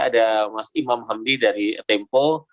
ada mas imam hamdi dari tempo